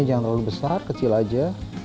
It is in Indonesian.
jangan terlalu besar kecil aja